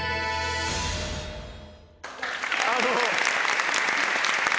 あどうも。